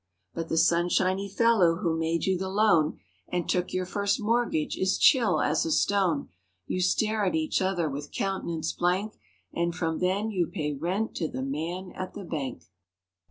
20 But the sunshiny fellow who made you the loan And took your "First Mortgage" is chill as a stone. You stare at each other with countenance blank— And from then you pay rent to the man at the bank.